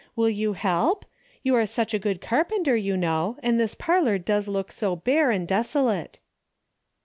Will you help? You're such a good carpenter, you know, and this parlor does look so bare and desolate.